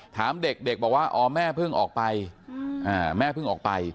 ถามเด็กบอกว่าอ๋อแม่เพิ่งออกไป